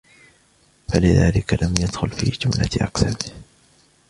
فَلِذَلِكَ لَمْ يَدْخُلْ فِي جُمْلَةِ أَقْسَامِهِ